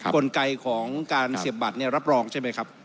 กลไกของการเสียบบัตรรับรองใช่ไหมครับ